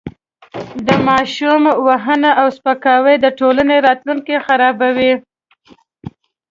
د ماشوم وهنه او سپکاوی د ټولنې راتلونکی خرابوي.